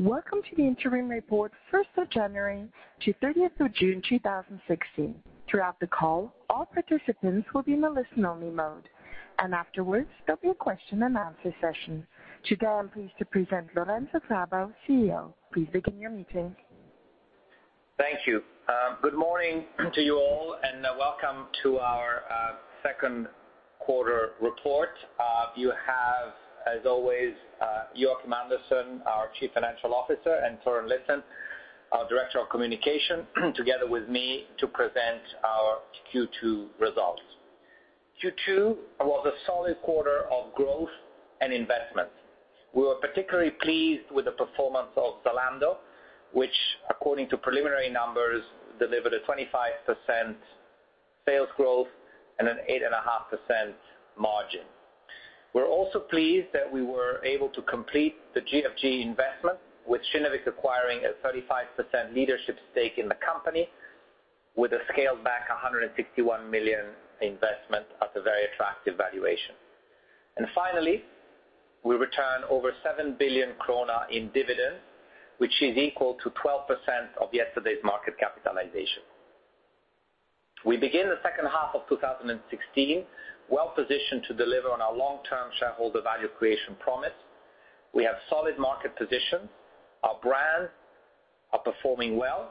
Welcome to the interim report, 1st of January to 30th of June 2016. Throughout the call, all participants will be in the listen-only mode. Afterwards there'll be a question and answer session. Today, I'm pleased to present Lorenzo Grabau, CEO. Please begin your meeting. Thank you. Good morning to you all. Welcome to our second quarter report. You have, as always, Joakim Andersson, our Chief Financial Officer, and Torun Litzén, our Director of Communication, together with me to present our Q2 results. Q2 was a solid quarter of growth and investment. We were particularly pleased with the performance of Zalando, which according to preliminary numbers, delivered a 25% sales growth and an eight and a half percent margin. We're also pleased that we were able to complete the GFG investment with Kinnevik acquiring a 35% leadership stake in the company with a scaled back 161 million investment at a very attractive valuation. Finally, we return over 7 billion krona in dividends, which is equal to 12% of yesterday's market capitalization. We begin the second half of 2016, well-positioned to deliver on our long-term shareholder value creation promise. We have solid market position. Our brands are performing well.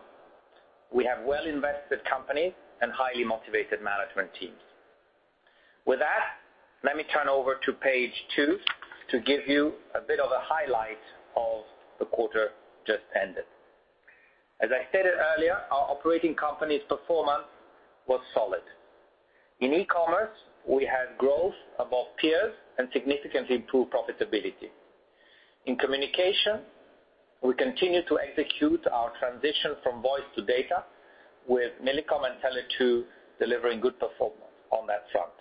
We have well invested companies and highly motivated management teams. With that, let me turn over to page two to give you a bit of a highlight of the quarter just ended. As I stated earlier, our operating company's performance was solid. In e-commerce, we had growth above peers and significantly improved profitability. In communication, we continue to execute our transition from voice to data with Millicom and Tele2 delivering good performance on that front.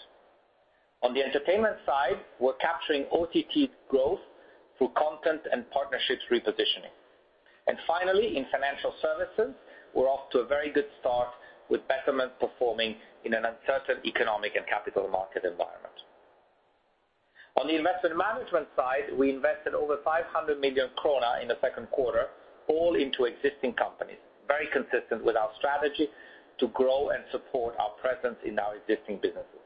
On the entertainment side, we're capturing OTT growth through content and partnerships repositioning. Finally, in financial services, we're off to a very good start with Betterment performing in an uncertain economic and capital market environment. On the investment management side, we invested over 500 million krona in the second quarter, all into existing companies, very consistent with our strategy to grow and support our presence in our existing businesses.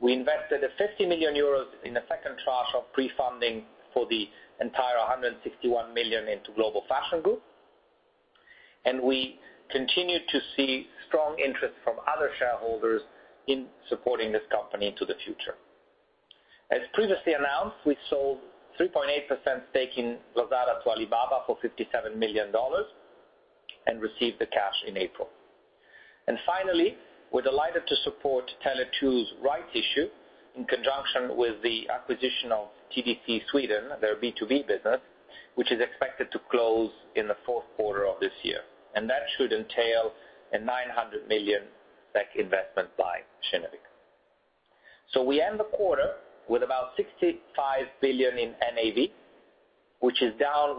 We invested 50 million euros in the second tranche of pre-funding for the entire 161 million into Global Fashion Group. We continue to see strong interest from other shareholders in supporting this company into the future. As previously announced, we sold 3.8% stake in Lazada to Alibaba for $57 million and received the cash in April. Finally, we're delighted to support Tele2's rights issue in conjunction with the acquisition of TDC Sweden, their B2B business, which is expected to close in the fourth quarter of this year. That should entail a 900 million SEK investment by Kinnevik. We end the quarter with about 65 billion in NAV, which is down 1.7%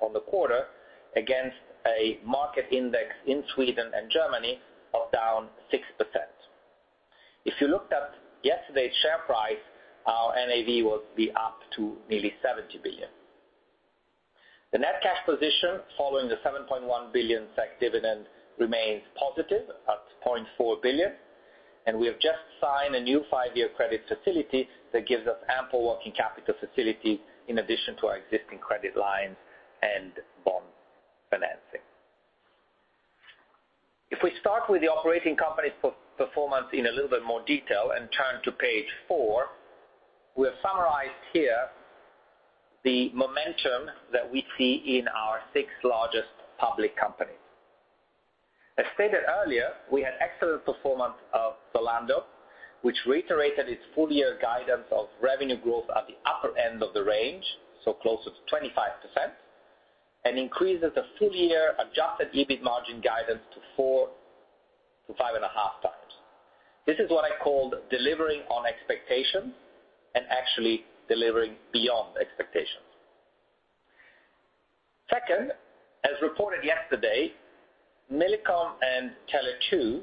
on the quarter against a market index in Sweden and Germany of down 6%. If you looked at yesterday's share price, our NAV would be up to nearly 70 billion. The net cash position following the 7.1 billion SEK dividend remains positive at 0.4 billion, and we have just signed a new five-year credit facility that gives us ample working capital facility in addition to our existing credit lines and bond financing. If we start with the operating company's performance in a little bit more detail and turn to page four, we have summarized here the momentum that we see in our six largest public companies. As stated earlier, we had excellent performance of Zalando, which reiterated its full-year guidance of revenue growth at the upper end of the range, so closer to 25%, and increases the full-year adjusted EBIT margin guidance to 4% to 5.5%. This is what I call delivering on expectations and actually delivering beyond expectations. Second, as reported yesterday, Millicom and Tele2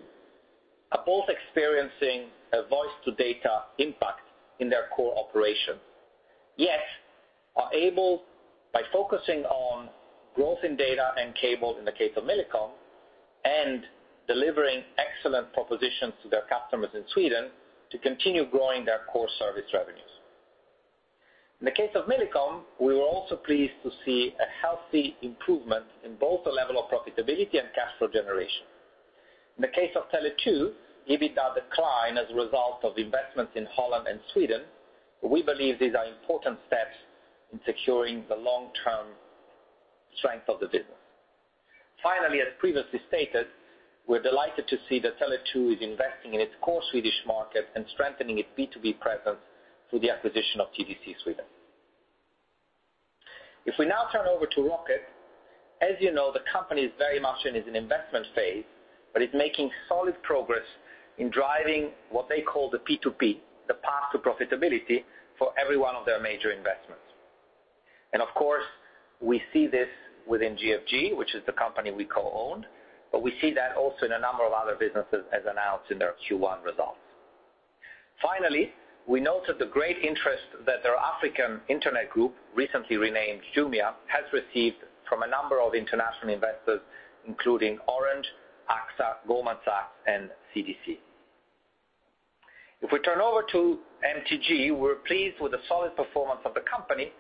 are both experiencing a voice to data impact in their core operation, yet are able, by focusing on growth in data and cable in the case of Millicom and delivering excellent propositions to their customers in Sweden to continue growing their core service revenues. In the case of Millicom, we were also pleased to see a healthy improvement in both the level of profitability and cash flow generation. In the case of Tele2, EBITDA declined as a result of investments in Holland and Sweden, but we believe these are important steps in securing the long-term strength of the business. Finally, as previously stated, we are delighted to see that Tele2 is investing in its core Swedish market and strengthening its B2B presence through the acquisition of TDC Sweden. If we now turn over to Rocket, as you know, the company is very much in its investment phase, but it is making solid progress in driving what they call the P2P, the path to profitability for every one of their major investments. Of course, we see this within GFG, which is the company we co-own, but we see that also in a number of other businesses as announced in their Q1 results. Finally, we noted the great interest that our Africa Internet Group, recently renamed Jumia, has received from a number of international investors, including Orange, AXA, Goldman Sachs, and CDC. If we turn over to MTG, we are pleased with the solid performance of the company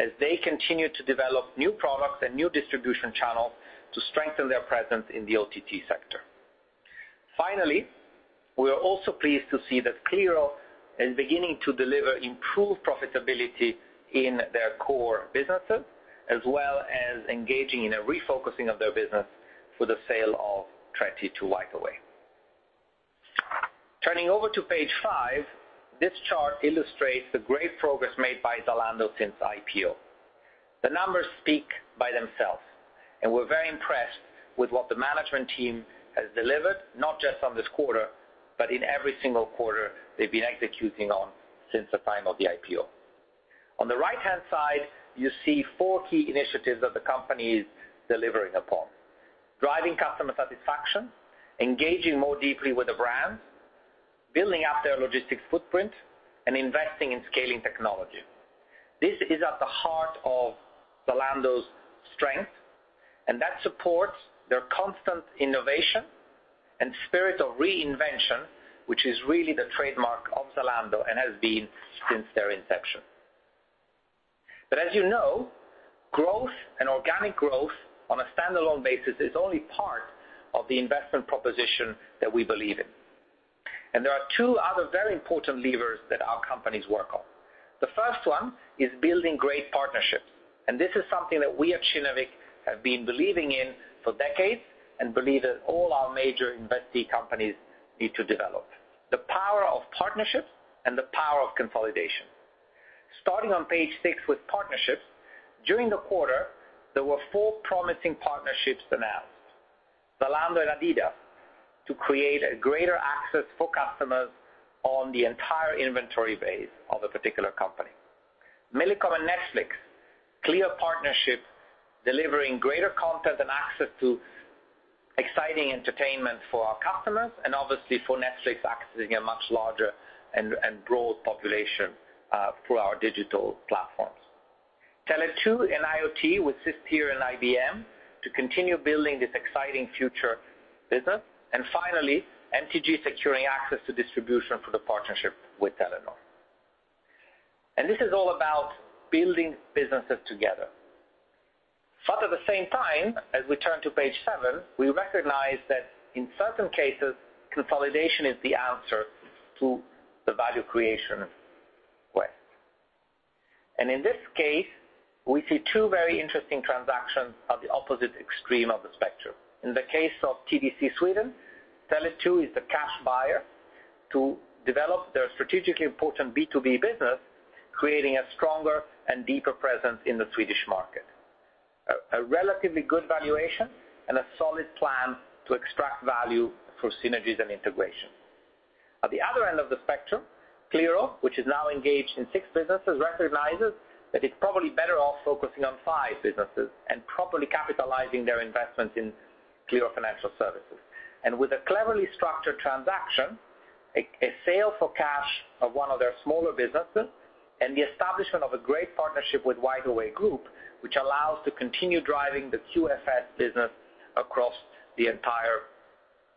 as they continue to develop new products and new distribution channels to strengthen their presence in the OTT sector. Finally, we are also pleased to see that Qliro is beginning to deliver improved profitability in their core businesses, as well as engaging in a refocusing of their business for the sale of Tretti to WhiteAway. Turning over to page five, this chart illustrates the great progress made by Zalando since IPO. The numbers speak by themselves, and we are very impressed with what the management team has delivered, not just on this quarter, but in every single quarter they have been executing on since the time of the IPO. On the right-hand side, you see four key initiatives that the company is delivering upon. Driving customer satisfaction, engaging more deeply with the brands, building out their logistics footprint, and investing in scaling technology. This is at the heart of Zalando's strength, and that supports their constant innovation and spirit of reinvention, which is really the trademark of Zalando and has been since their inception. As you know, growth and organic growth on a standalone basis is only part of the investment proposition that we believe in. There are two other very important levers that our companies work on. The first one is building great partnerships, and this is something that we at Kinnevik have been believing in for decades and believe that all our major investee companies need to develop. The power of partnerships and the power of consolidation. Starting on page six with partnerships. During the quarter, there were four promising partnerships announced. Zalando and Adidas to create a greater access for customers on the entire inventory base of a particular company. Millicom and Netflix, clear partnership delivering greater content and access to exciting entertainment for our customers and obviously for Netflix accessing a much larger and broad population through our digital platforms. Tele2 and IoT with Cisco and IBM to continue building this exciting future business, and finally, MTG securing access to distribution for the partnership with Telenor. This is all about building businesses together. At the same time, as we turn to page seven, we recognize that in certain cases, consolidation is the answer to the value creation quest. In this case, we see two very interesting transactions at the opposite extreme of the spectrum. In the case of TDC Sweden, Tele2 is the cash buyer to develop their strategically important B2B business, creating a stronger and deeper presence in the Swedish market. A relatively good valuation and a solid plan to extract value for synergies and integration. At the other end of the spectrum, Qliro, which is now engaged in six businesses, recognizes that it's probably better off focusing on five businesses and properly capitalizing their investment in Qliro Financial Services. With a cleverly structured transaction, a sale for cash of one of their smaller businesses, and the establishment of a great partnership with WhiteAway Group, which allows to continue driving the QFS business across the entire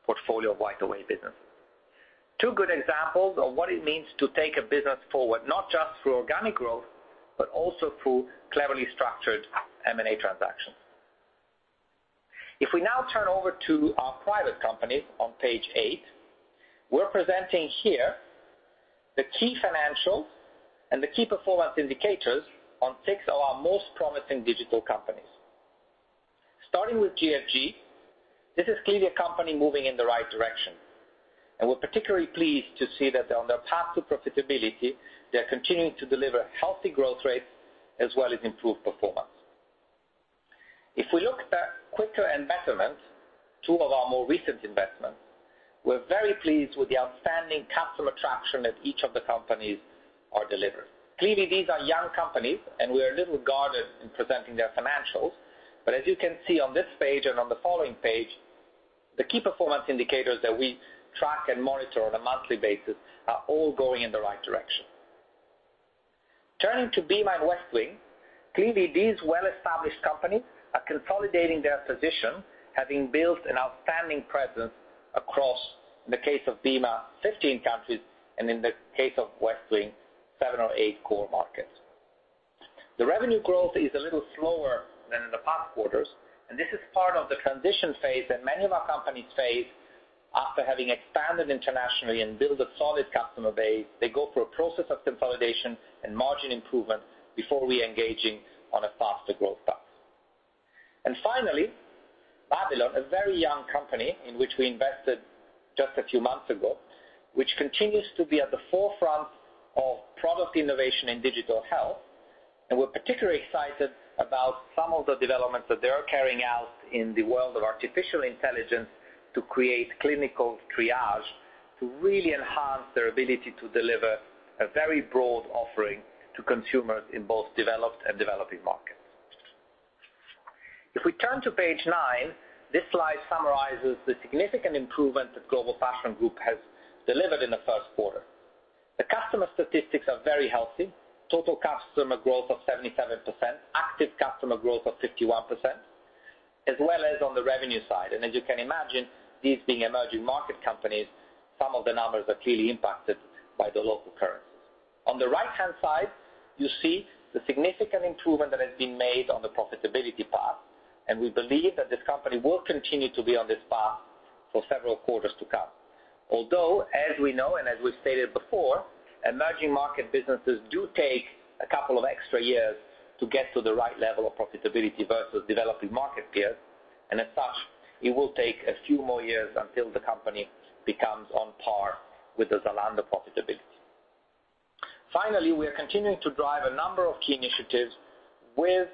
portfolio of WhiteAway business. Two good examples of what it means to take a business forward, not just through organic growth, but also through cleverly structured M&A transactions. If we now turn over to our private companies on page eight, we're presenting here the key financials and the key performance indicators on six of our most promising digital companies. Starting with GFG, this is clearly a company moving in the right direction, and we're particularly pleased to see that they're on their path to profitability. They're continuing to deliver healthy growth rates as well as improved performance. If we look at Quikr and Betterment, two of our more recent investments, we're very pleased with the outstanding customer traction that each of the companies are delivering. Clearly, these are young companies, and we are a little guarded in presenting their financials, but as you can see on this page and on the following page, the key performance indicators that we track and monitor on a monthly basis are all going in the right direction. Turning to Bima and Westwing, clearly these well-established companies are consolidating their position, having built an outstanding presence across, in the case of Bima, 15 countries, and in the case of Westwing, seven or eight core markets. The revenue growth is a little slower than in the past quarters, this is part of the transition phase that many of our companies face after having expanded internationally and build a solid customer base. They go through a process of consolidation and margin improvement before reengaging on a faster growth path. Finally, Babylon, a very young company in which we invested just a few months ago, which continues to be at the forefront of product innovation in digital health. We're particularly excited about some of the developments that they are carrying out in the world of artificial intelligence to create clinical triage to really enhance their ability to deliver a very broad offering to consumers in both developed and developing markets. If we turn to page nine, this slide summarizes the significant improvement that Global Fashion Group has delivered in the first quarter. The customer statistics are very healthy. Total customer growth of 77%, active customer growth of 51%, as well as on the revenue side. As you can imagine, these being emerging market companies, some of the numbers are clearly impacted by the local currency. On the right-hand side, you see the significant improvement that has been made on the profitability path, and we believe that this company will continue to be on this path for several quarters to come. Although, as we know, and as we've stated before, emerging market businesses do take a couple of extra years to get to the right level of profitability versus developing market peers. As such, it will take a few more years until the company becomes on par with the Zalando profitability. Finally, we are continuing to drive a number of key initiatives with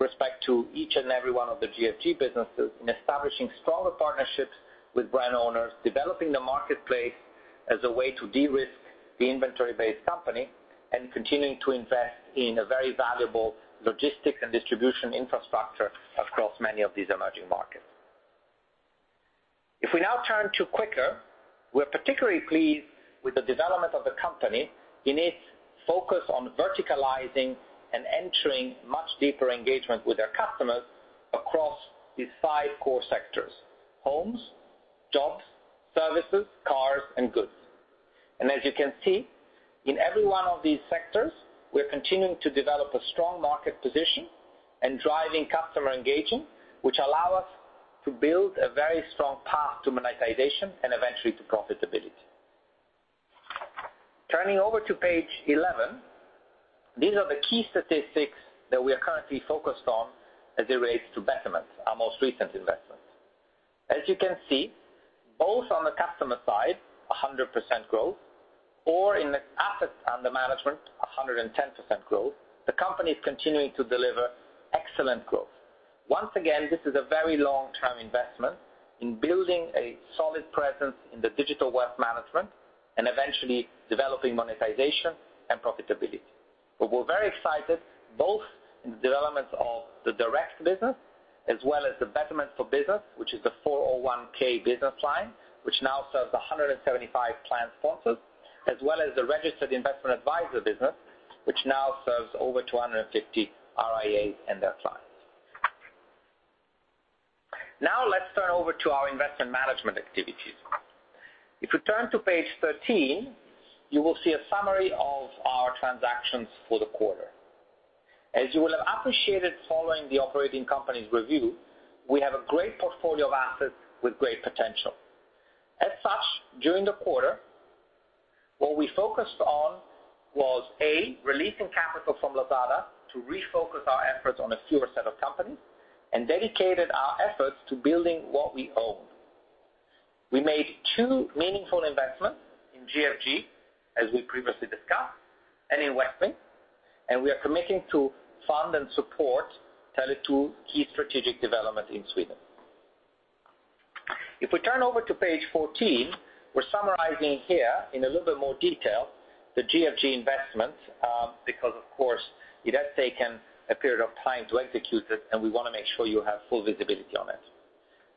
respect to each and every one of the GFG businesses in establishing stronger partnerships with brand owners, developing the marketplace as a way to de-risk the inventory-based company, and continuing to invest in a very valuable logistics and distribution infrastructure across many of these emerging markets. If we now turn to Quikr, we're particularly pleased with the development of the company in its focus on verticalizing and entering much deeper engagement with their customers across these five core sectors: homes, jobs, services, cars, and goods. As you can see, in every one of these sectors, we're continuing to develop a strong market position and driving customer engagement, which allow us to build a very strong path to monetization and eventually to profitability. Turning over to page 11, these are the key statistics that we are currently focused on as it relates to Betterment, our most recent investment. As you can see, both on the customer side, 100% growth, or in the assets under management, 110% growth. The company is continuing to deliver excellent growth. Once again, this is a very long-term investment in building a solid presence in the digital wealth management and eventually developing monetization and profitability. But we are very excited both in the developments of the direct business as well as the Betterment at Work, which is the 401(k) business line, which now serves 175 plan sponsors, as well as the registered investment advisor business, which now serves over 250 RIAs and their clients. Now let us turn over to our investment management activities. If we turn to page 13, you will see a summary of our transactions for the quarter. As you will have appreciated following the operating companies review, we have a great portfolio of assets with great potential. As such, during the quarter, what we focused on was, A, releasing capital from Lazada to refocus our efforts on a fewer set of companies and dedicated our efforts to building what we own. We made 2 meaningful investments in GFG, as we previously discussed, and in Westwing, and we are committing to fund and support Tele2 key strategic development in Sweden. If we turn over to page 14, we are summarizing here in a little bit more detail the GFG investment, because of course, it has taken a period of time to execute it, and we want to make sure you have full visibility on it.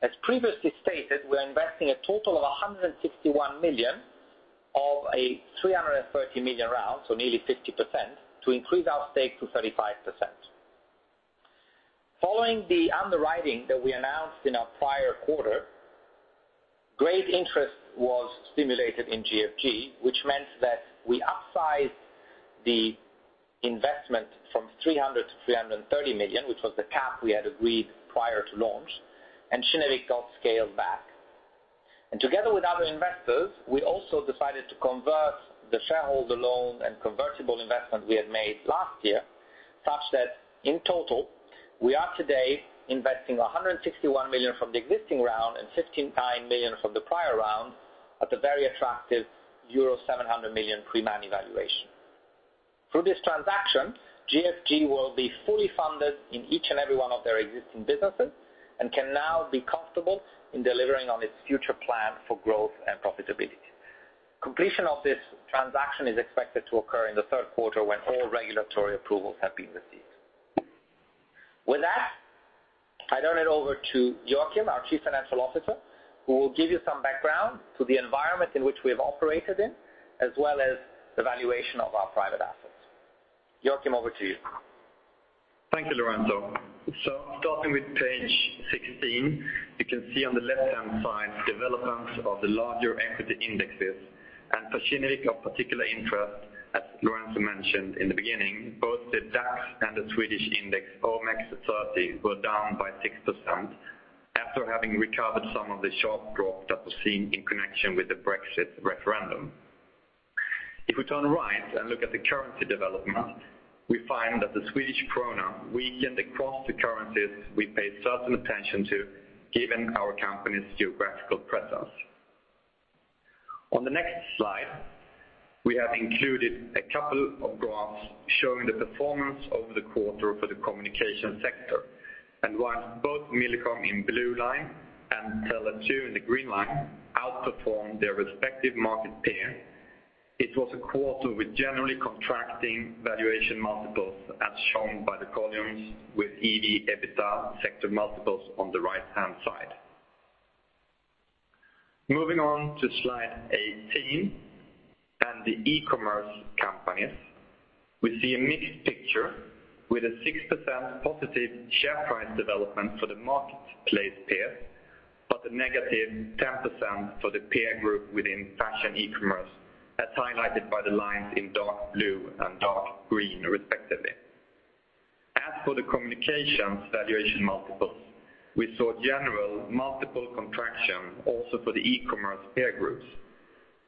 As previously stated, we are investing a total of 161 million of a 330 million round, so nearly 50%, to increase our stake to 35%. Following the underwriting that we announced in our prior quarter, great interest was stimulated in GFG, which meant that we upsized the investment from 300 million to 330 million, which was the cap we had agreed prior to launch, and Kinnevik got scaled back. And together with other investors, we also decided to convert the shareholder loan and convertible investment we had made last year, such that in total, we are today investing EUR 161 million from the existing round and EUR 59 million from the prior round at the very attractive euro 700 million pre-money valuation. Through this transaction, GFG will be fully funded in each and every one of their existing businesses and can now be comfortable in delivering on its future plan for growth and profitability. Completion of this transaction is expected to occur in the third quarter, when all regulatory approvals have been received. With that, I turn it over to Joakim, our Chief Financial Officer, who will give you some background to the environment in which we have operated in, as well as the valuation of our private assets. Joakim, over to you. Thank you, Lorenzo. Starting with page 16, you can see on the left-hand side, developments of the larger equity indexes and for Kinnevik of particular interest, as Lorenzo mentioned in the beginning, both the DAX and the Swedish index OMX30 were down by 6% after having recovered some of the sharp drop that was seen in connection with the Brexit referendum. If we turn right, and look at the currency development, we find that the Swedish krona weakened across the currencies we paid certain attention to, given our company's geographical presence. On the next slide, we have included a couple of graphs showing the performance over the quarter for the communication sector. Whilst both Millicom in blue line and Tele2 in the green line outperformed their respective market peer. It was a quarter with generally contracting valuation multiples as shown by the columns with EV, EBITDA, sector multiples on the right-hand side. Moving on to slide 18 and the e-commerce companies. We see a mixed picture with a 6% positive share price development for the marketplace peers, but a negative 10% for the peer group within fashion e-commerce, as highlighted by the lines in dark blue and dark green respectively. As for the communications valuation multiples, we saw general multiple contraction also for the e-commerce peer groups,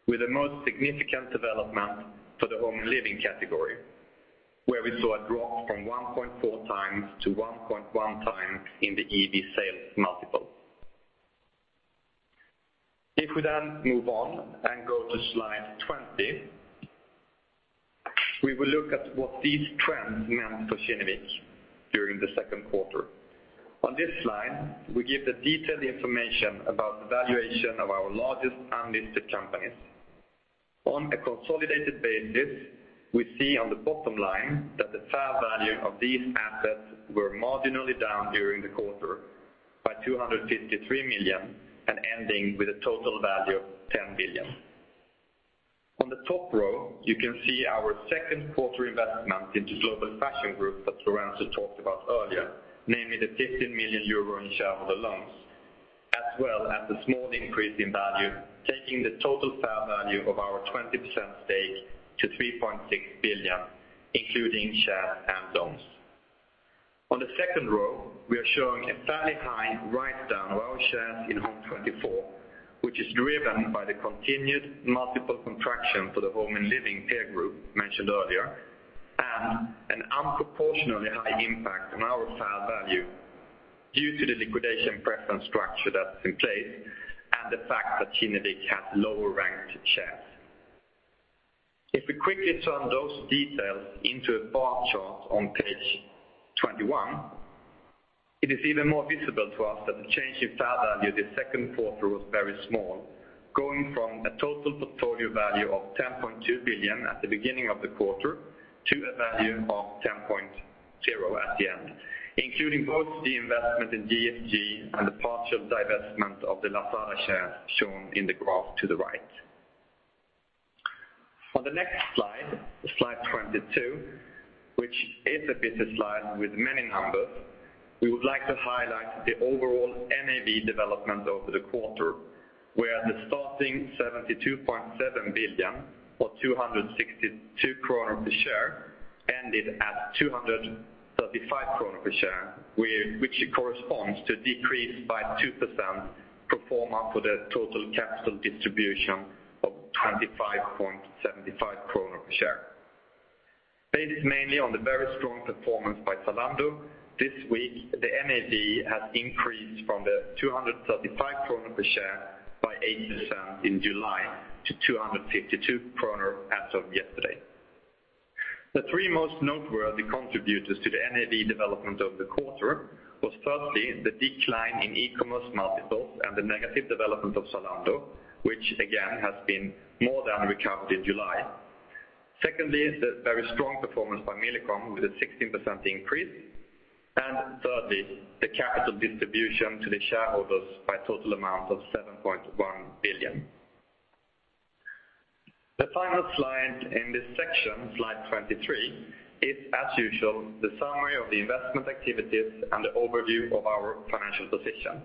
with the most significant development for the home and living category, where we saw a drop from 1.4x to 1.1x in the EV sales multiple. Moving on and go to slide 20, we will look at what these trends meant for Kinnevik during the second quarter. On this slide, we give the detailed information about the valuation of our largest unlisted companies. On a consolidated basis, we see on the bottom line that the fair value of these assets were marginally down during the quarter by 253 million and ending with a total value of 10 billion. On the top row, you can see our second-quarter investment into Global Fashion Group that Lorenzo talked about earlier, namely the 50 million euro in shareholder loans, as well as a small increase in value, taking the total fair value of our 20% stake to 3.6 billion, including shares and loans. On the second row, we are showing a fairly high write-down of our shares in Home24, which is driven by the continued multiple contraction for the home and living peer group mentioned earlier, and an unproportionally high impact on our fair value due to the liquidation preference structure that's in place and the fact that Kinnevik has lower-ranked shares. If we quickly turn those details into a bar chart on page 21, it is even more visible to us that the change in fair value this second quarter was very small, going from a total portfolio value of 10.2 billion at the beginning of the quarter to a value of 10.0 billion at the end, including both the investment in GFG and the partial divestment of the Lazada shares shown in the graph to the right. The next slide 22, which is a busy slide with many numbers, we would like to highlight the overall NAV development over the quarter, where the starting 72.7 billion or 262 kronor per share ended at 235 kronor per share, which corresponds to decrease by 2% pro forma for the total capital distribution of 25.75 kronor per share. Based mainly on the very strong performance by Zalando, this week the NAV has increased from the 235 kronor per share by 8% in July to 252 kronor as of yesterday. The three most noteworthy contributors to the NAV development over the quarter was firstly, the decline in e-commerce multiples and the negative development of Zalando, which again has been more than recovered in July. Secondly, the very strong performance by Millicom with a 16% increase. Thirdly, the capital distribution to the shareholders by a total amount of 7.1 billion. The final slide in this section, slide 23, is as usual the summary of the investment activities and the overview of our financial position.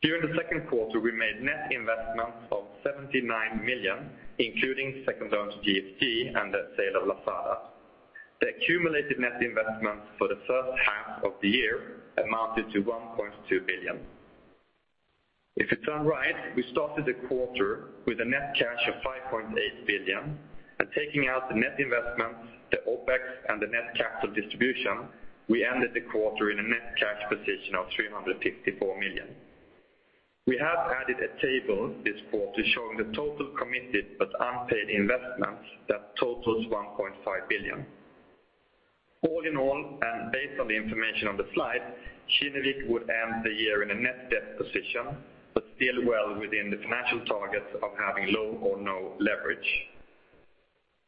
During the second quarter, we made net investments of 79 million, including second tranche GFG and the sale of Lazada. The accumulated net investments for the first half of the year amounted to 1.2 billion. If we turn right, we started the quarter with a net cash of 5.8 billion and taking out the net investments, the OPEX, and the net capital distribution, we ended the quarter in a net cash position of 354 million. We have added a table this quarter showing the total committed but unpaid investments that totals 1.5 billion. All in all, based on the information on the slide, Kinnevik would end the year in a net debt position, but still well within the financial targets of having low or no leverage.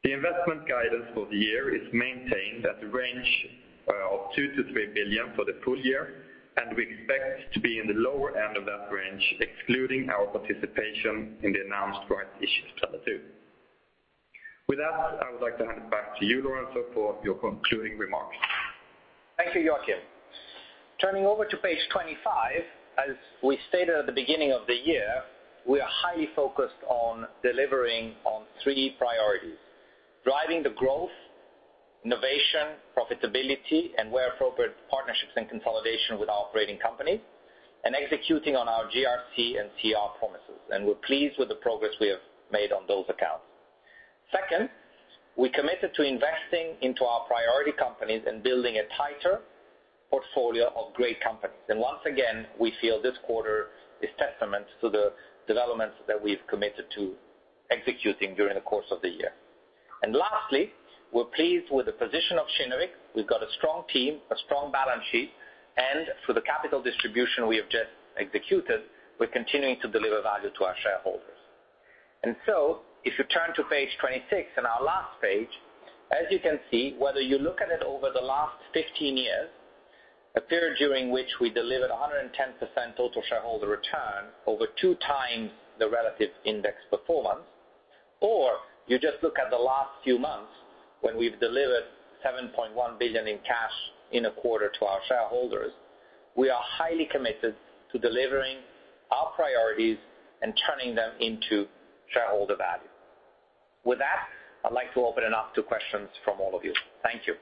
The investment guidance for the year is maintained at the range of 2 billion-3 billion for the full year, and we expect to be in the lower end of that range, excluding our participation in the announced rights issue of Zalando. With that, I would like to hand it back to you, Lorenzo, for your concluding remarks. Thank you, Joakim. Turning over to page 25, as we stated at the beginning of the year, we are highly focused on delivering on three priorities, driving the growth, innovation, profitability, and where appropriate, partnerships and consolidation with our operating companies, and executing on our GRC and CR promises. We're pleased with the progress we have made on those accounts. Second, we committed to investing into our priority companies and building a tighter portfolio of great companies. Once again, we feel this quarter is testament to the developments that we've committed to executing during the course of the year. Lastly, we're pleased with the position of Kinnevik. We've got a strong team, a strong balance sheet, and through the capital distribution we have just executed, we're continuing to deliver value to our shareholders. If you turn to page 26 and our last page, as you can see, whether you look at it over the last 15 years, a period during which we delivered 110% total shareholder return over two times the relative index performance. You just look at the last few months when we've delivered 7.1 billion in cash in a quarter to our shareholders, we are highly committed to delivering our priorities and turning them into shareholder value. With that, I'd like to open it up to questions from all of you. Thank you.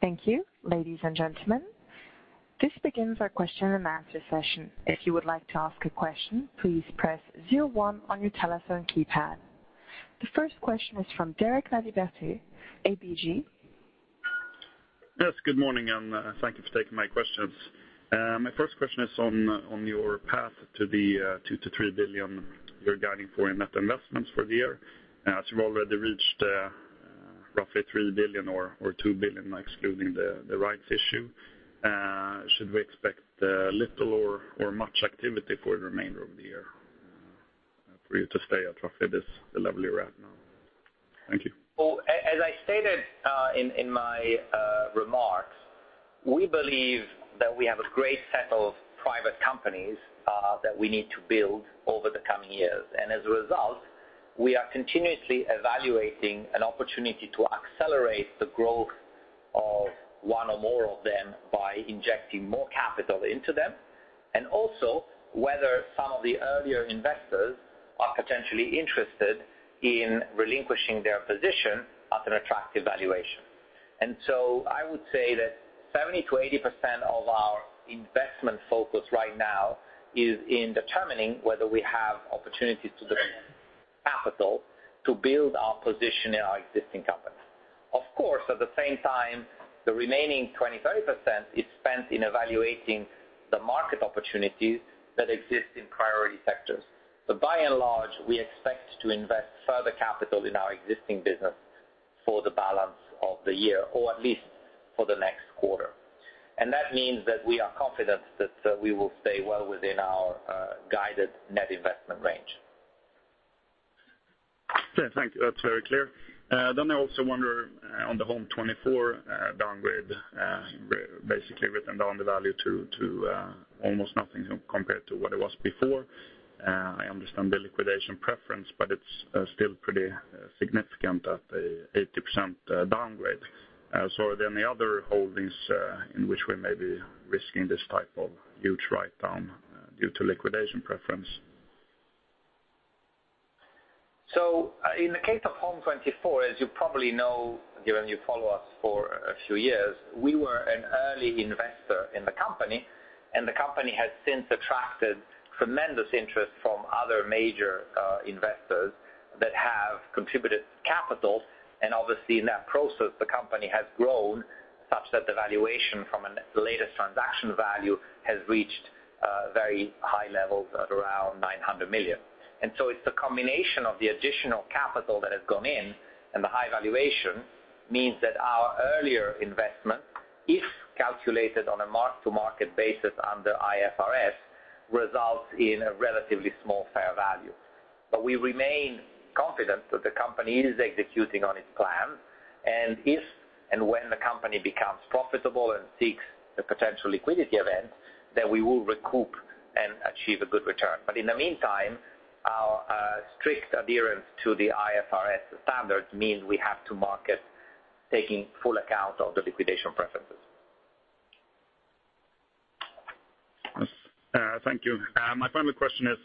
Thank you. Ladies and gentlemen, this begins our question and answer session. If you would like to ask a question, please press 01 on your telephone keypad. The first question is from Derek Laliberté, ABG. Yes, good morning, and thank you for taking my questions. My first question is on your path to the 2 billion-3 billion you're guiding for in net investments for the year. As you've already reached roughly 3 billion, or 2 billion excluding the rights issue, should we expect little or much activity for the remainder of the year for you to stay at roughly this level you're at now? Thank you. Well, as I stated in my remarks, we believe that we have a great set of private companies that we need to build over the coming years. As a result, we are continuously evaluating an opportunity to accelerate the growth of one or more of them by injecting more capital into them, and also whether some of the earlier investors are potentially interested in relinquishing their position at an attractive valuation. I would say that 70%-80% of our investment focus right now is in determining whether we have opportunities to deploy capital to build our position in our existing companies. Of course, at the same time, the remaining 20%-30% is spent in evaluating the market opportunities that exist in priority sectors. By and large, we expect to invest further capital in our existing business for the balance of the year, or at least for the next quarter. That means that we are confident that we will stay well within our guided net investment range. Okay, thank you. That's very clear. I also wonder on the Home24 downgrade, basically written down the value to almost nothing compared to what it was before. I understand the liquidation preference, but it's still pretty significant at the 80% downgrade. Are there any other holdings in which we may be risking this type of huge write down due to liquidation preference? In the case of Home24, as you probably know, given you follow us for a few years, we were an early investor in the company, and the company has since attracted tremendous interest from other major investors that have contributed capital. Obviously in that process, the company has grown such that the valuation from the latest transaction value has reached very high levels at around 900 million. It's a combination of the additional capital that has gone in and the high valuation means that our earlier investment, if calculated on a mark-to-market basis under IFRS, results in a relatively small fair value. We remain confident that the company is executing on its plan, and if and when the company becomes profitable and seeks a potential liquidity event, we will recoup and achieve a good return. In the meantime, our strict adherence to the IFRS standards means we have to market taking full account of the liquidation preferences. Thank you. My final question is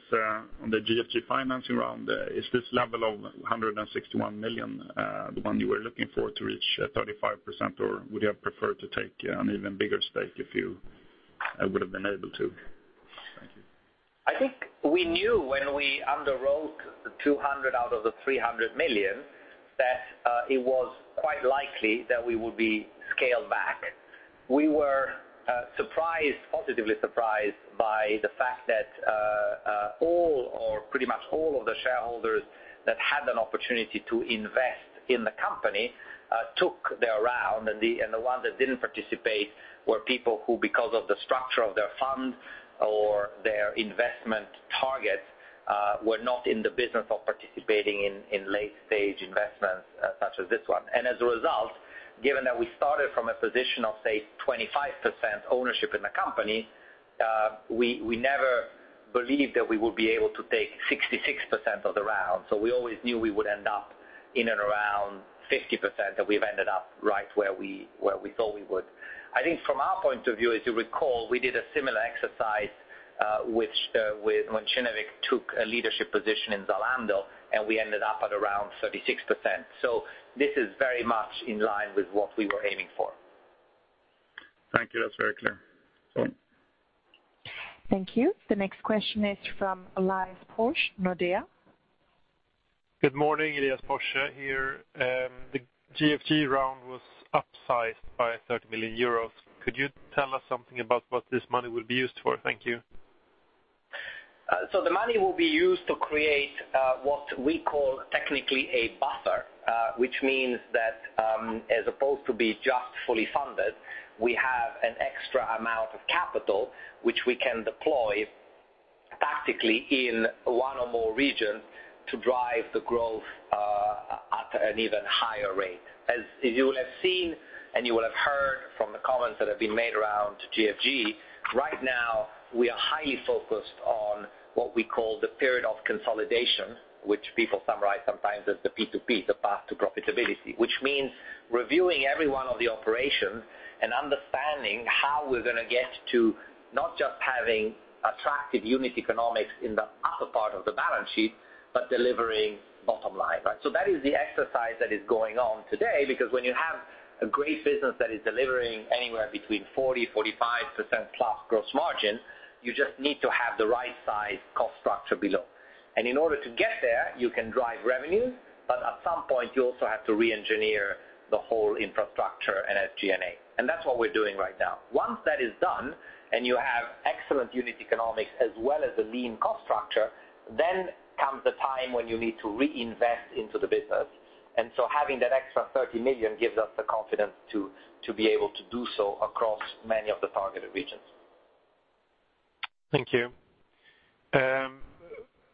on the GFG financing round. Is this level of 161 million the one you were looking for to reach 35%, or would you have preferred to take an even bigger stake if you would've been able to? Thank you. I think we knew when we underwrote 200 million out of the 300 million, that it was quite likely that we would be scaled back. We were positively surprised by the fact that all or pretty much all of the shareholders that had an opportunity to invest in the company took the round, and the ones that didn't participate were people who, because of the structure of their fund or their investment targets, were not in the business of participating in late-stage investments such as this one. As a result, given that we started from a position of, say, 25% ownership in the company, we never believed that we would be able to take 66% of the round. We always knew we would end up in and around 50%, and we've ended up right where we thought we would. I think from our point of view, as you recall, we did a similar exercise when Kinnevik took a leadership position in Zalando, we ended up at around 36%. This is very much in line with what we were aiming for. Thank you. That's very clear. Thank you. The next question is from Elias Porse, Nordea. Good morning, Elias Pors here. The GFG round was upsized by 30 million euros. Could you tell us something about what this money will be used for? Thank you. The money will be used to create what we call technically a buffer, which means that as opposed to be just fully funded, we have an extra amount of capital which we can deploy tactically in one or more regions to drive the growth at an even higher rate. As you will have seen and you will have heard from the comments that have been made around GFG, right now, we are highly focused on what we call the period of consolidation, which people summarize sometimes as the P2P, the path to profitability. Which means reviewing every one of the operations and understanding how we're going to get to not just having attractive unit economics in the upper part of the balance sheet, but delivering bottom line, right? That is the exercise that is going on today, because when you have a great business that is delivering anywhere between 40%, 45% plus gross margin, you just need to have the right size cost structure below. In order to get there, you can drive revenue, but at some point, you also have to re-engineer the whole infrastructure and SG&A. That's what we're doing right now. Once that is done and you have excellent unit economics as well as a lean cost structure, then comes the time when you need to reinvest into the business. Having that extra 30 million gives us the confidence to be able to do so across many of the targeted regions. Thank you.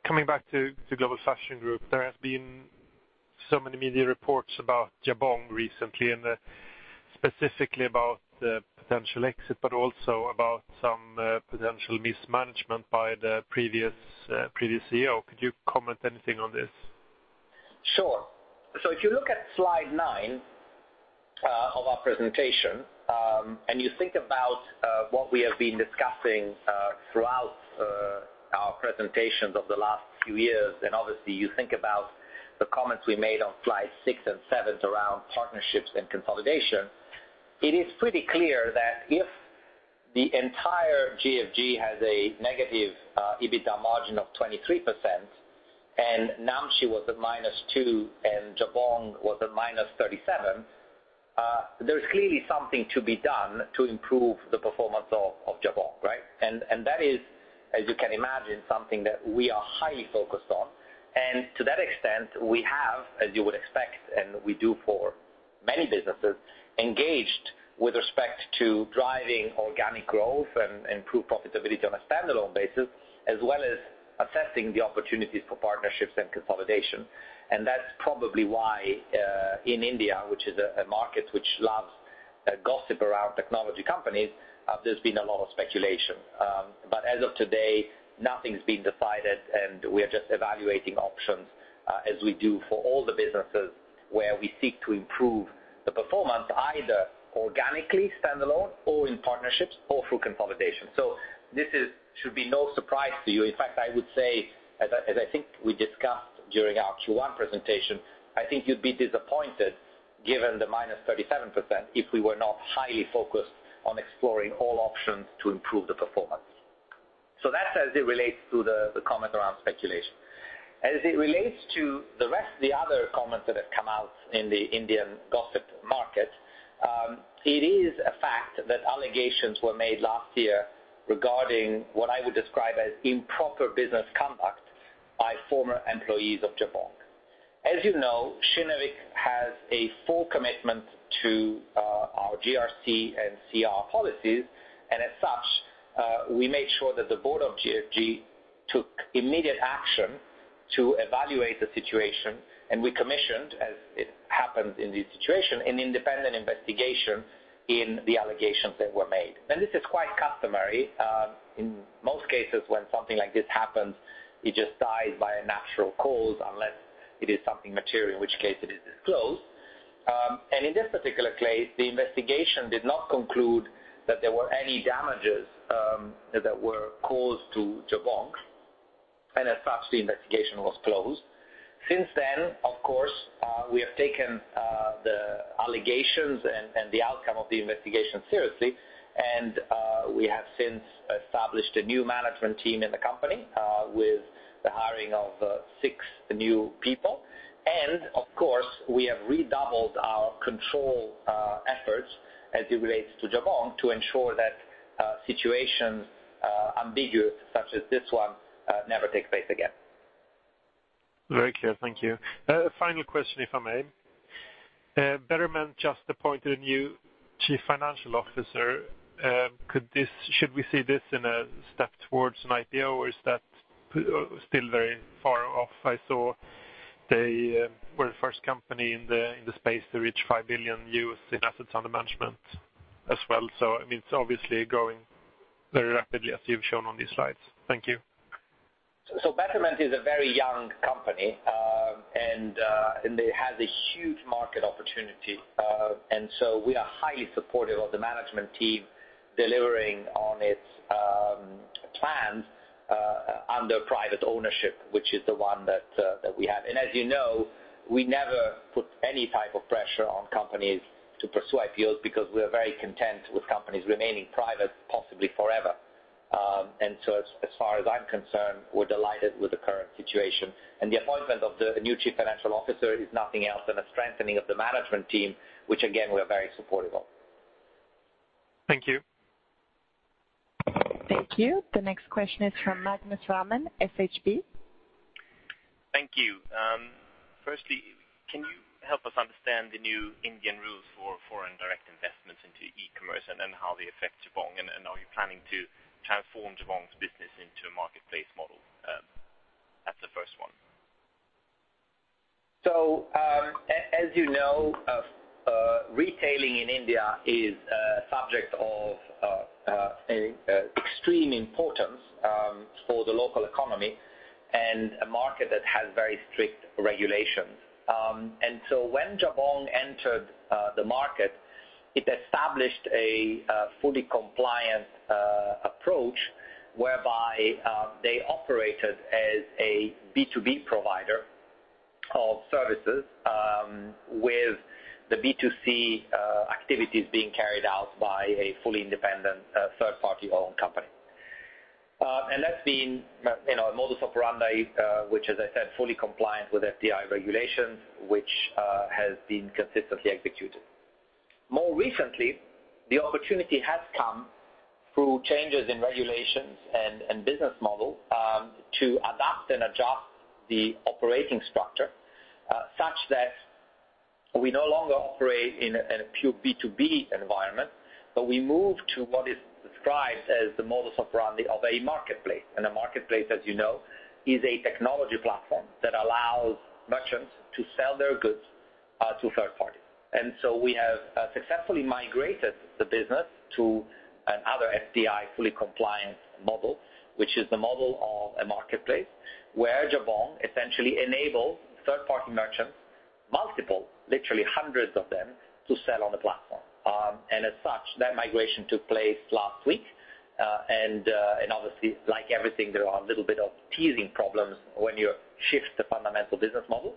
Coming back to Global Fashion Group, there have been so many media reports about Jabong recently, and specifically about the potential exit, but also about some potential mismanagement by the previous CEO. Could you comment anything on this? Sure. If you look at slide nine of our presentation, and you think about what we have been discussing throughout our presentations of the last few years, and obviously you think about the comments we made on slide six and seven around partnerships and consolidation, it is pretty clear that if the entire GFG has a negative EBITDA margin of 23% and Namshi was at -2% and Jabong was at -37%, there's clearly something to be done to improve the performance of Jabong, right? That is, as you can imagine, something that we are highly focused on. To that extent, we have, as you would expect, and we do for many businesses, engaged with respect to driving organic growth and improve profitability on a standalone basis, as well as assessing the opportunities for partnerships and consolidation. That's probably why, in India, which is a market which loves gossip around technology companies, there's been a lot of speculation. As of today, nothing's been decided, we are just evaluating options, as we do for all the businesses where we seek to improve the performance, either organically, standalone or in partnerships or through consolidation. This should be no surprise to you. In fact, I would say, as I think we discussed during our Q1 presentation, I think you'd be disappointed given the -37% if we were not highly focused on exploring all options to improve the performance. That's as it relates to the comment around speculation. As it relates to the rest of the other comments that have come out in the Indian gossip market, it is a fact that allegations were made last year regarding what I would describe as improper business conduct by former employees of Jabong. As you know, Kinnevik has a full commitment to our GRC and CR policies, as such, we made sure that the board of GFG took immediate action to evaluate the situation, we commissioned, as it happens in this situation, an independent investigation in the allegations that were made. This is quite customary. In most cases when something like this happens, it just dies by a natural cause unless it is something material, in which case it is disclosed. In this particular case, the investigation did not conclude that there were any damages that were caused to Jabong, as such, the investigation was closed. Since then, of course, we have taken the allegations and the outcome of the investigation seriously, we have since established a new management team in the company, with the hiring of six new people. Of course, we have redoubled our control efforts as it relates to Jabong to ensure that situations ambiguous such as this one never take place again. Very clear. Thank you. Final question, if I may. Betterment just appointed a new Chief Financial Officer. Should we see this in a step towards an IPO, or is that still very far off? I saw they were the first company in the space to reach 5 billion in assets under management as well. I mean, it's obviously growing very rapidly as you've shown on these slides. Thank you. Betterment is a very young company, and it has a huge market opportunity. We are highly supportive of the management team delivering on its plans under private ownership, which is the one that we have. As you know, we never put any type of pressure on companies to pursue IPOs because we are very content with companies remaining private, possibly forever. As far as I'm concerned, we're delighted with the current situation. The appointment of the new Chief Financial Officer is nothing else than a strengthening of the management team, which again, we're very supportive of. Thank you. Thank you. The next question is from Magnus Råman, Handelsbanken. Thank you. Firstly, can you help us understand the new Indian rules for foreign direct investments into e-commerce, then how they affect Jabong? Are you planning to transform Jabong's business into a marketplace model? That's the first one. As you know retailing in India is a subject of extreme importance for the local economy and a market that has very strict regulations. When Jabong entered the market, it established a fully compliant approach whereby they operated as a B2B provider of services, with the B2C activities being carried out by a fully independent third-party owned company. That's been a modus operandi, which, as I said, fully compliant with FDI regulations, which has been consistently executed. More recently, the opportunity has come through changes in regulations and business model, to adapt and adjust the operating structure, such that we no longer operate in a pure B2B environment, but we move to what is described as the modus operandi of a marketplace. A marketplace, as you know, is a technology platform that allows merchants to sell their goods to a third party. We have successfully migrated the business to another FDI fully compliant model, which is the model of a marketplace, where Jabong essentially enables third-party merchants, multiple, literally hundreds of them, to sell on the platform. As such, that migration took place last week. Obviously, like everything, there are a little bit of teething problems when you shift the fundamental business model.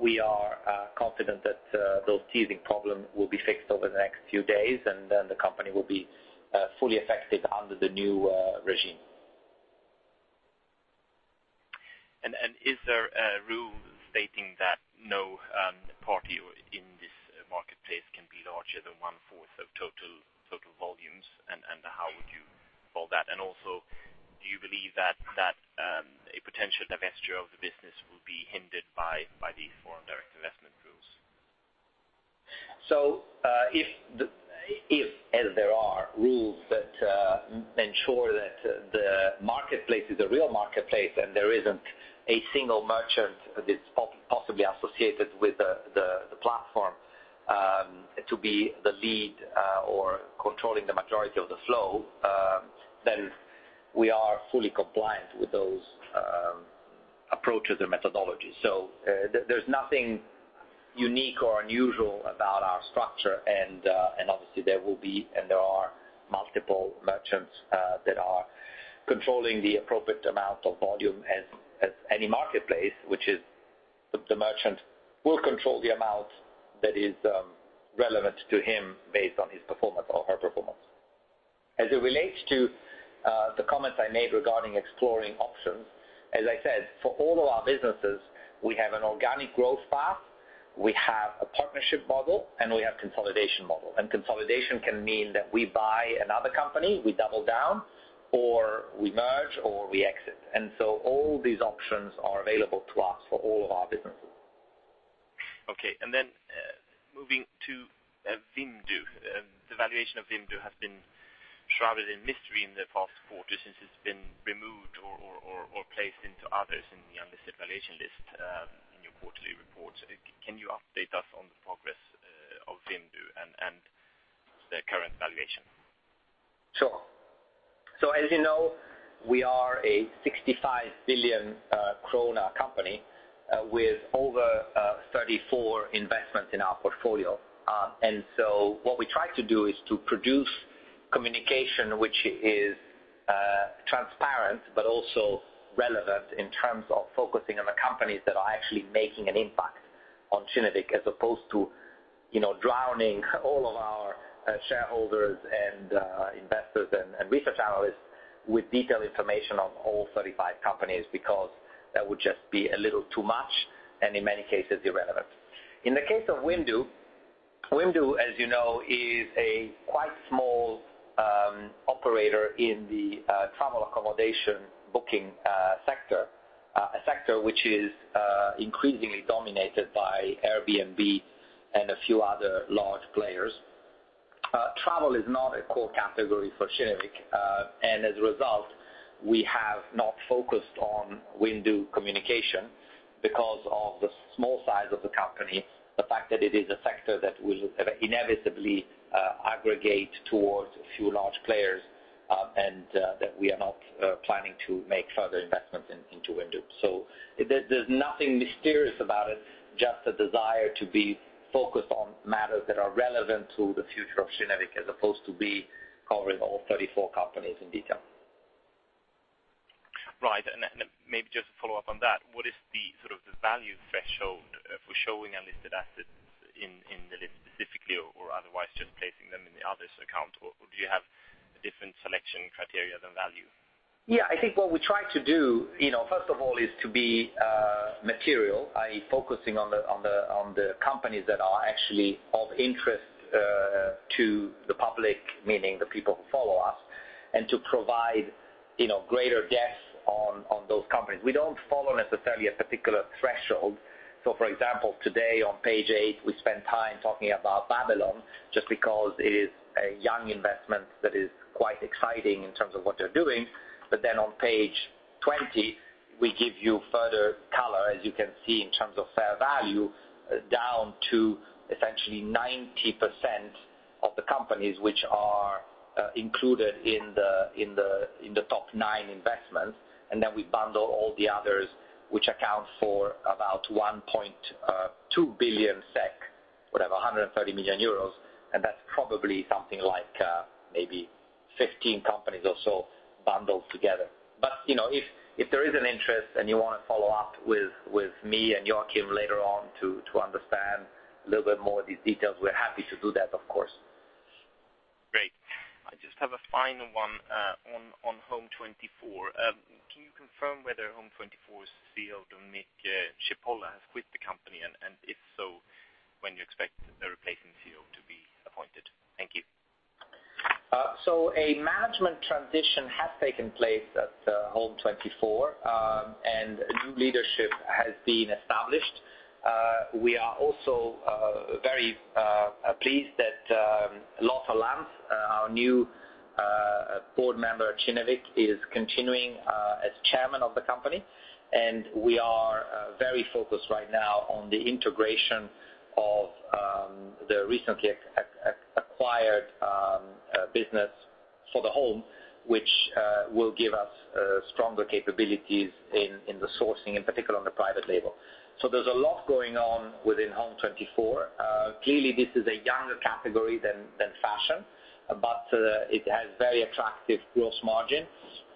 We are confident that those teething problem will be fixed over the next few days, then the company will be fully effective under the new regime. Is there a rule stating that no party in this marketplace can be larger than one fourth of total volumes? How would you call that? Also, do you believe that a potential divesture of the business will be hindered by these foreign direct investment rules? If as there are rules that ensure that the marketplace is a real marketplace and there isn't a single merchant that's possibly associated with the platform to be the lead or controlling the majority of the flow, then we are fully compliant with those approaches and methodologies. There's nothing unique or unusual about our structure, and obviously there are multiple merchants that are controlling the appropriate amount of volume as any marketplace. Which is, the merchant will control the amount that is relevant to him based on his performance or her performance. As it relates to the comments I made regarding exploring options, as I said, for all of our businesses, we have an organic growth path, we have a partnership model, and we have consolidation model. Consolidation can mean that we buy another company, we double down or we merge, or we exit. All these options are available to us for all of our businesses. Moving to Wimdu. The valuation of Wimdu has been shrouded in mystery in the past quarter since it's been removed or placed into others in the unlisted valuation list in your quarterly reports. Can you update us on the progress of Wimdu and the current valuation? Sure. As you know, we are a 65 billion krona company with over 34 investments in our portfolio. What we try to do is to produce communication which is transparent, but also relevant in terms of focusing on the companies that are actually making an impact on Kinnevik, as opposed to drowning all of our shareholders and investors and research analysts with detailed information on all 35 companies, because that would just be a little too much, and in many cases, irrelevant. In the case of Wimdu, as you know, is a quite small operator in the travel accommodation booking sector. A sector which is increasingly dominated by Airbnb and a few other large players. Travel is not a core category for Kinnevik, as a result, we have not focused on Wimdu communication because of the small size of the company, the fact that it is a sector that will inevitably aggregate towards a few large players, and that we are not planning to make further investments into Wimdu. There's nothing mysterious about it, just a desire to be focused on matters that are relevant to the future of Kinnevik, as opposed to we covering all 34 companies in detail. Right. Maybe just to follow up on that, what is the sort of the value threshold for showing unlisted assets in the list specifically or otherwise just placing them in the others account? A different selection criteria than value? Yeah, I think what we try to do, first of all, is to be material, i.e., focusing on the companies that are actually of interest to the public, meaning the people who follow us, and to provide greater depth on those companies. We don't follow necessarily a particular threshold. For example, today on page eight, we spend time talking about Babylon just because it is a young investment that is quite exciting in terms of what they're doing. Then on page 20, we give you further color, as you can see, in terms of fair value, down to essentially 90% of the companies which are included in the top nine investments. Then we bundle all the others, which account for about 1.2 billion SEK, whatever, 130 million euros, and that's probably something like maybe 15 companies or so bundled together. If there is an interest and you want to follow up with me and Joakim later on to understand a little bit more of these details, we're happy to do that, of course. Great. I just have a final one on Home24. Can you confirm whether Home24's CEO, Domenico Cipolla, has quit the company, and if so, when you expect a replacement CEO to be appointed? Thank you. A management transition has taken place at Home24, and new leadership has been established. We are also very pleased that Lothar Lanz, our new board member at Kinnevik, is continuing as chairman of the company. We are very focused right now on the integration of the recently acquired business Fashion for Home, which will give us stronger capabilities in the sourcing, in particular on the private label. There's a lot going on within Home24. Clearly, this is a younger category than fashion, but it has very attractive gross margin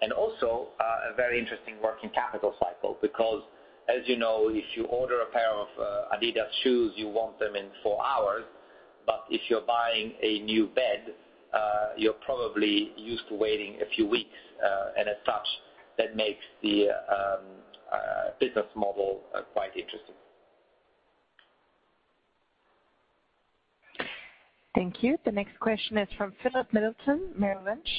and also a very interesting working capital cycle. Because, as you know, if you order a pair of Adidas shoes, you want them in four hours, but if you're buying a new bed, you're probably used to waiting a few weeks, and as such, that makes the business model quite interesting. Thank you. The next question is from Philip Middleton, Merrill Lynch.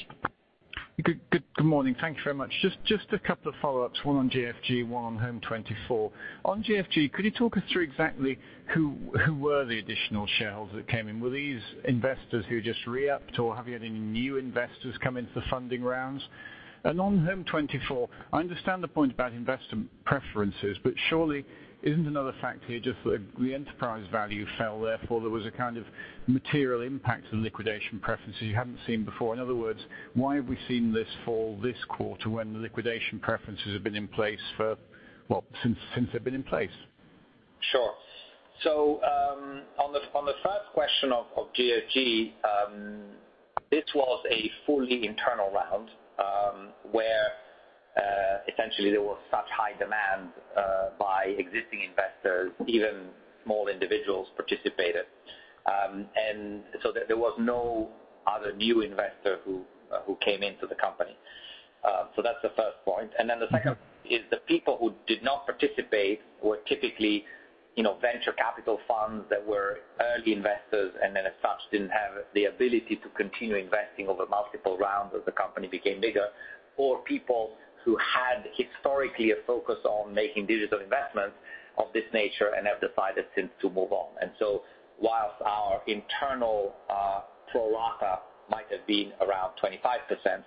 Good morning. Thank you very much. Just a couple of follow-ups, one on GFG, one on Home24. On GFG, could you talk us through exactly who were the additional shareholders that came in? Were these investors who just re-upped, or have you had any new investors come into the funding rounds? On Home24, I understand the point about investor preferences, but surely isn't another factor here just that the enterprise value fell, therefore there was a kind of material impact on liquidation preferences you haven't seen before? In other words, why have we seen this fall this quarter when the liquidation preferences have been in place for, well, since they've been in place? Sure. On the first question of GFG, this was a fully internal round, where essentially there was such high demand by existing investors, even small individuals participated. There was no other new investor who came into the company. That's the first point. The second is the people who did not participate were typically venture capital funds that were early investors, and then as such, didn't have the ability to continue investing over multiple rounds as the company became bigger, or people who had historically a focus on making digital investments of this nature and have decided since to move on. Whilst our internal pro rata might have been around 25%,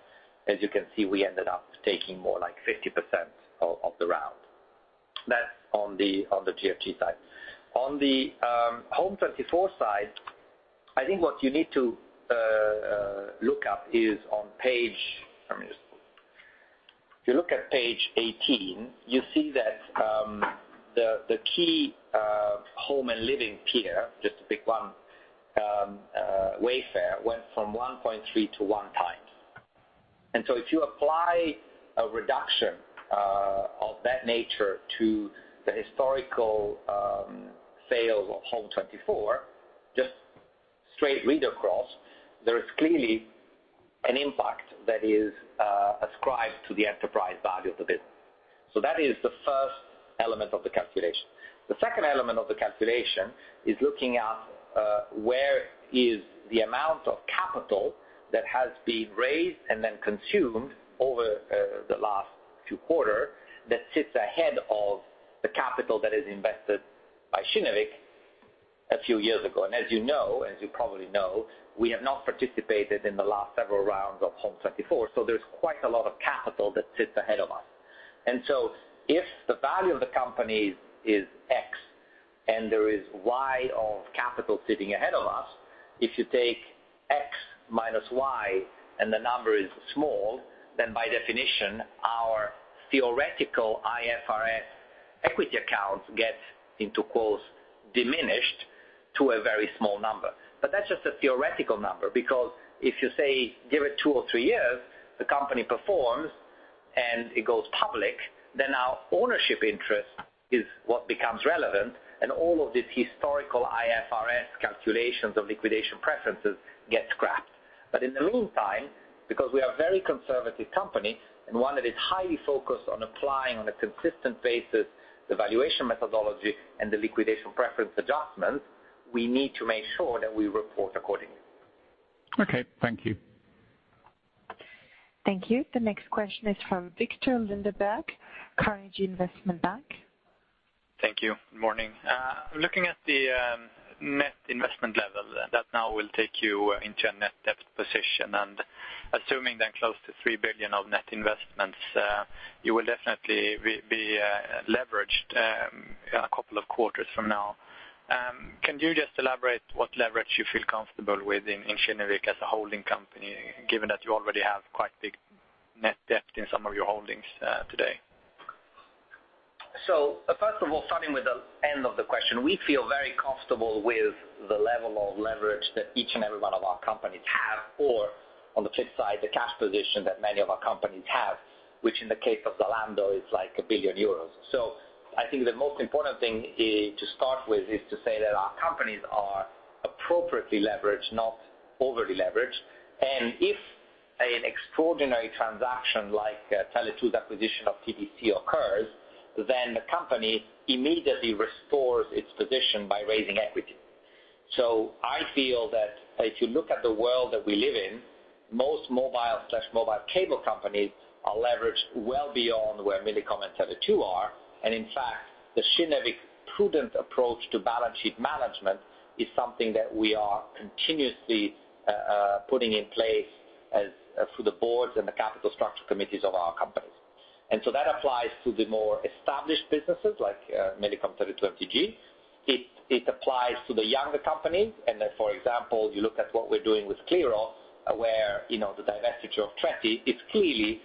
as you can see, we ended up taking more like 50% of the round. That's on the GFG side. On the Home24 side, I think what you need to look up is on page 18, you see that the key Home & Living peer, just to pick one, Wayfair, went from 1.3 to one time. If you apply a reduction of that nature to the historical sales of Home24, just straight read across, there is clearly an impact that is ascribed to the enterprise value of the business. That is the first element of the calculation. The second element of the calculation is looking at where is the amount of capital that has been raised and then consumed over the last two quarter that sits ahead of the capital that is invested by Kinnevik a few years ago. As you know, as you probably know, we have not participated in the last several rounds of Home24, there's quite a lot of capital that sits ahead of us. If the value of the company is X, and there is Y of capital sitting ahead of us, if you take X minus Y and the number is small, by definition, our theoretical IFRS equity account gets into quotes, diminished to a very small number. That's just a theoretical number, because if you say give it two or three years The company performs and it goes public, then our ownership interest is what becomes relevant, and all of this historical IFRS calculations of liquidation preferences get scrapped. In the meantime, because we are a very conservative company and one that is highly focused on applying on a consistent basis the valuation methodology and the liquidation preference adjustments, we need to make sure that we report accordingly. Okay. Thank you. Thank you. The next question is from Viktor Lindeberg, Carnegie Investment Bank. Thank you. Good morning. Looking at the net investment level that now will take you into a net debt position, assuming then close to 3 billion of net investments, you will definitely be leveraged a couple of quarters from now. Can you just elaborate what leverage you feel comfortable with in Kinnevik as a holding company, given that you already have quite big net debt in some of your holdings today? First of all, starting with the end of the question, we feel very comfortable with the level of leverage that each and every one of our companies have or on the flip side, the cash position that many of our companies have, which in the case of Zalando is like 1 billion euros. I think the most important thing to start with is to say that our companies are appropriately leveraged, not overly leveraged. If an extraordinary transaction like Tele2 acquisition of TDC Sweden occurs, the company immediately restores its position by raising equity. I feel that if you look at the world that we live in, most mobile/mobile cable companies are leveraged well beyond where Millicom and Tele2 are. In fact, the Kinnevik prudent approach to balance sheet management is something that we are continuously putting in place through the boards and the capital structure committees of our companies. That applies to the more established businesses like Millicom, Telenor, Tele2. It applies to the younger companies, and for example, you look at what we're doing with Qliro, where the divestiture of Tretti is clearly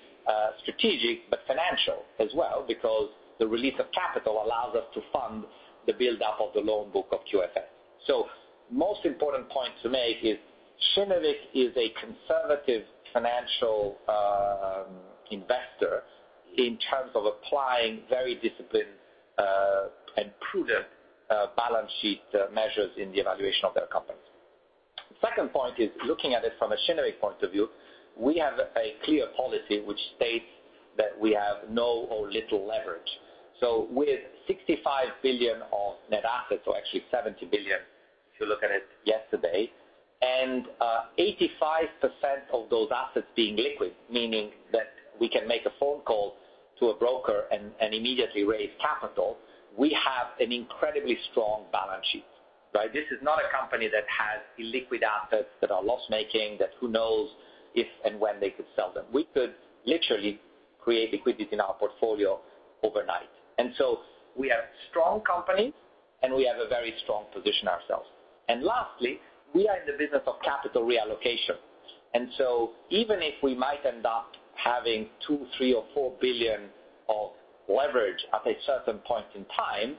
strategic, but financial as well because the release of capital allows us to fund the buildup of the loan book of QFS. Most important point to make is Kinnevik is a conservative financial investor in terms of applying very disciplined and prudent balance sheet measures in the evaluation of their companies. Second point is looking at it from a Kinnevik point of view, we have a clear policy which states that we have no or little leverage. With 65 billion of net assets, or actually 70 billion, if you look at it yesterday, and 85% of those assets being liquid, meaning that we can make a phone call to a broker and immediately raise capital, we have an incredibly strong balance sheet. This is not a company that has illiquid assets that are loss-making, that who knows if and when they could sell them. We could literally create liquidity in our portfolio overnight. We are strong companies and we have a very strong position ourselves. Lastly, we are in the business of capital reallocation. Even if we might end up having 2 billion, 3 billion or 4 billion of leverage at a certain point in time,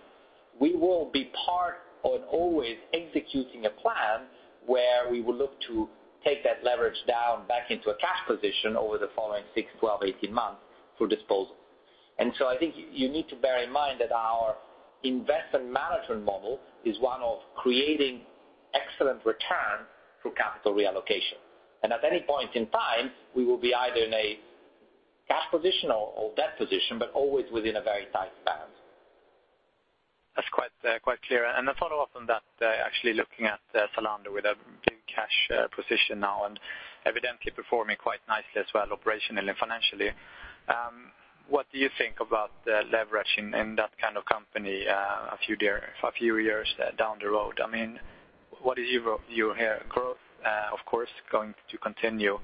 we will be part on always executing a plan where we will look to take that leverage down back into a cash position over the following six, 12, 18 months through disposal. I think you need to bear in mind that our investment management model is one of creating excellent return through capital reallocation. At any point in time, we will be either in a cash position or debt position, but always within a very tight balance. That's quite clear. A follow-up on that, actually looking at Zalando with a big cash position now and evidently performing quite nicely as well operationally and financially. What do you think about the leverage in that kind of company a few years down the road? What is your view here? Growth, of course, going to continue,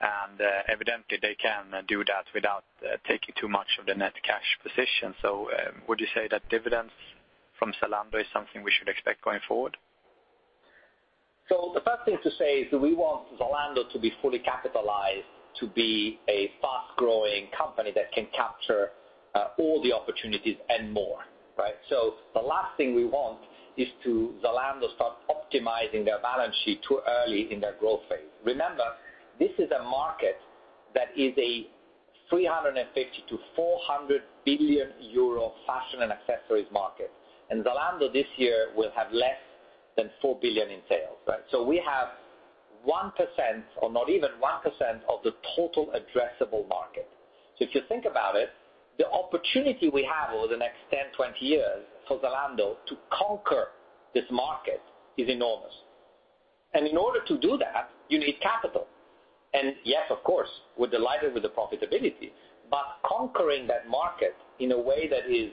and evidently they can do that without taking too much of the net cash position. Would you say that dividends from Zalando is something we should expect going forward? The first thing to say is that we want Zalando to be fully capitalized to be a fast-growing company that can capture all the opportunities and more. The last thing we want is to Zalando start optimizing their balance sheet too early in their growth phase. Remember, this is a market that is a 350 billion-400 billion euro fashion and accessories market. Zalando this year will have less than 4 billion in sales. We have 1%, or not even 1% of the total addressable market. If you think about it, the opportunity we have over the next 10, 20 years for Zalando to conquer this market is enormous. In order to do that, you need capital. Yes, of course, we're delighted with the profitability, but conquering that market in a way that is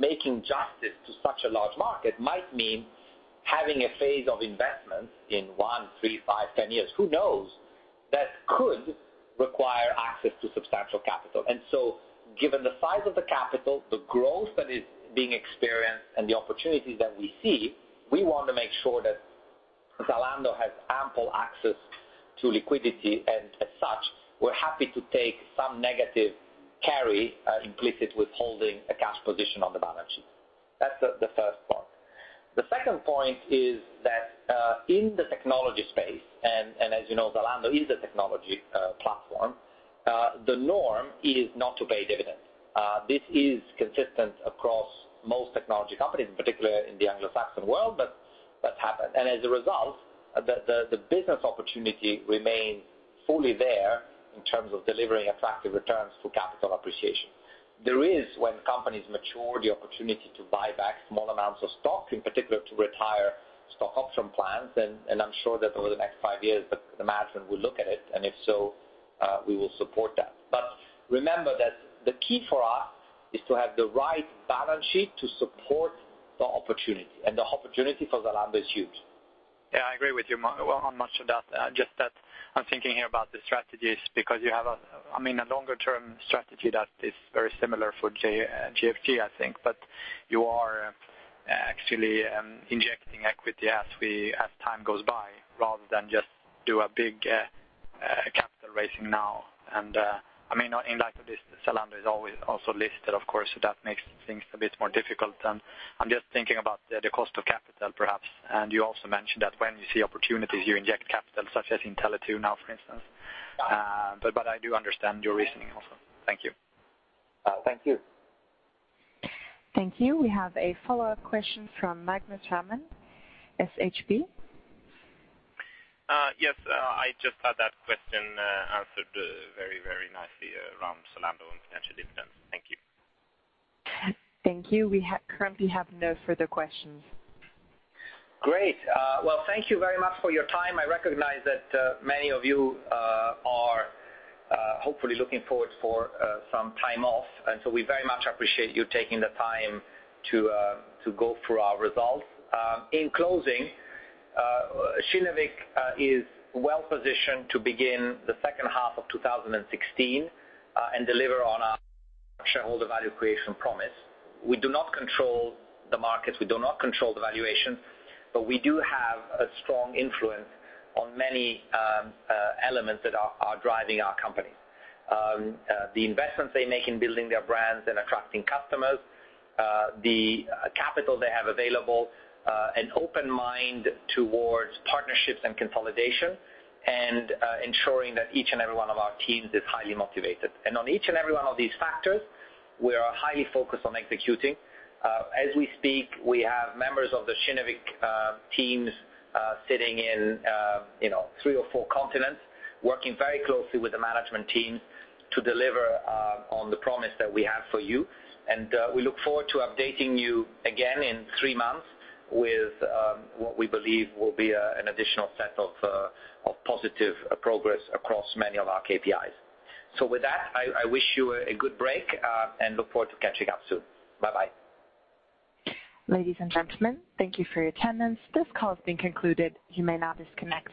making justice to such a large market might mean having a phase of investments in one, three, five, 10 years, who knows, that could require access to substantial capital. Given the size of the capital, the growth that is being experienced, and the opportunities that we see, we want to make sure that Zalando has ample access to liquidity, and as such, we're happy to take some negative carry implicit with holding a cash position on the balance sheet. That's the first part. The second point is that in the technology space, and as you know, Zalando is a technology platform, the norm is not to pay dividends. This is consistent across most technology companies, in particular in the Anglo-Saxon world, but that's happened. As a result, the business opportunity remains fully there in terms of delivering attractive returns through capital appreciation. There is, when companies mature, the opportunity to buy back small amounts of stock, in particular to retire stock option plans. I'm sure that over the next five years, the management will look at it, and if so, we will support that. Remember that the key for us is to have the right balance sheet to support the opportunity, and the opportunity for Zalando is huge. I agree with you on much of that. Just that I'm thinking here about the strategies, because you have a longer-term strategy that is very similar for GFG, I think. You are actually injecting equity as time goes by, rather than just do a big capital raising now. In light of this, Zalando is also listed, of course, so that makes things a bit more difficult. I'm just thinking about the cost of capital, perhaps. You also mentioned that when you see opportunities, you inject capital, such as in Tele2 now, for instance. I do understand your reasoning also. Thank you. Thank you. Thank you. We have a follow-up question from Magnus Råman, Handelsbanken. Yes. I just had that question answered very nicely around Zalando and potential dividends. Thank you. Thank you. We currently have no further questions. Great. Well, thank you very much for your time. I recognize that many of you are hopefully looking forward for some time off. We very much appreciate you taking the time to go through our results. In closing, Kinnevik is well-positioned to begin the second half of 2016 and deliver on our shareholder value creation promise. We do not control the markets, we do not control the valuation, but we do have a strong influence on many elements that are driving our company. The investments they make in building their brands and attracting customers, the capital they have available, an open mind towards partnerships and consolidation, and ensuring that each and every one of our teams is highly motivated. On each and every one of these factors, we are highly focused on executing. As we speak, we have members of the Kinnevik teams sitting in three or four continents, working very closely with the management teams to deliver on the promise that we have for you. We look forward to updating you again in three months with what we believe will be an additional set of positive progress across many of our KPIs. With that, I wish you a good break and look forward to catching up soon. Bye-bye. Ladies and gentlemen, thank you for your attendance. This call has been concluded. You may now disconnect.